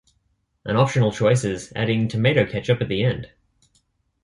An optional choice is adding tomato ketchup at the end.